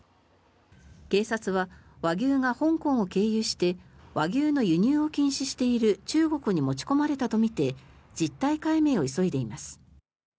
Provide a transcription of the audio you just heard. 警察は和牛が香港を経由して和牛の輸入を禁止している中国に持ち込まれたとみて実態解明を急いでいます。